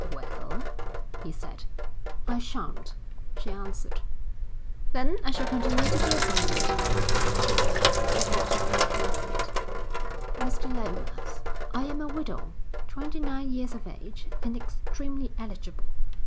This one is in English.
'Well?' he said. 'I shan't,' she answered. 'Then I shall continue to be a brother to you.' She got up and curtsied. 'Mr. Lomas, I am a widow, twenty nine years of age, and extremely eligible.